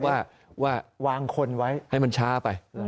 ว่าวางคนไว้ให้มันช้าไป